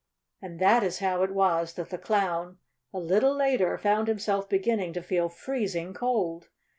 And that is how it was that the Clown, a little later, found himself beginning to feel freezing cold.